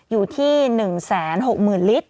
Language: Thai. อยู่ที่๑๖๐๐๐ลิตร